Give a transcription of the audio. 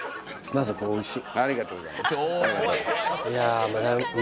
ありがとうございます。